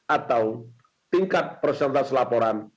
atau tingkat persentase laporan